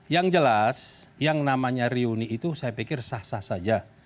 yang jelas yang namanya reuni itu saya pikir sah sah saja